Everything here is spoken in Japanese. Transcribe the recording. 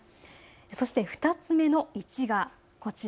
そして２つ目の１がこちら。